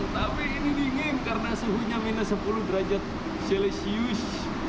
tapi ini dingin karena suhunya minus sepuluh derajat celcius